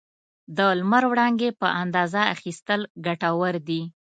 د لمر وړانګې په اندازه اخیستل ګټور دي.